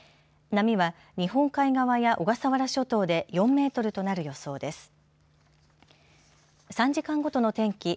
波は日本海側や小笠原諸島で４メートルとなる予想です。